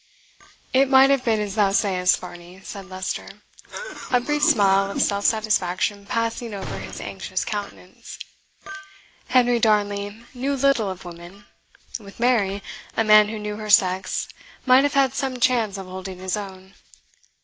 "It might have been as thou sayest, Varney," said Leicester, a brief smile of self satisfaction passing over his anxious countenance. "Henry Darnley knew little of women with Mary, a man who knew her sex might have had some chance of holding his own.